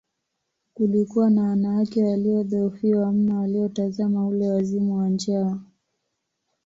Kulikuwa na wanawake waliodhoofiwa mno waliotazama ule wazimu wa njaa